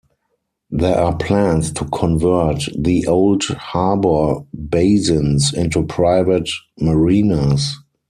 There are plans to convert the old harbour basins into private marinas.